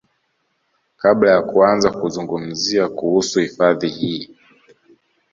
Kabla ya kuanza kuzungumzia kuhusu hifadhi hii